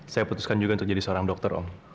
saya putuskan juga untuk jadi seorang dokter om